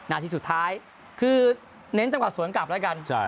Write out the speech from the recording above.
นาทีสุดท้ายคือเน้นจังหวะสวนกลับแล้วกัน